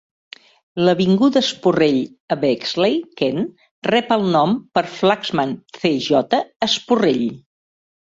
L'avinguda Spurrell, a Bexley, Kent, rep el nom per Flaxman C. J. Spurrell.